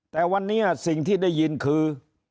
แต่วันนี้สิ่งที่ได้ยินคือ